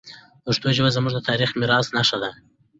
پښتو ژبه زموږ د تاریخي میراث نښه ده.